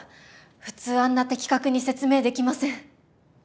普通あんな的確に説明できません。